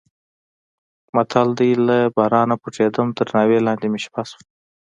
متل دی: له بارانه پټېدم تر ناوې لاندې مې شپه شوه.